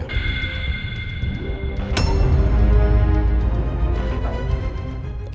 yang mau dibicarakan randy apa ya